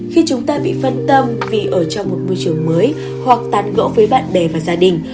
khi chúng ta bị phân tâm vì ở trong một môi trường mới hoặc tàn gỗ với bạn bè và gia đình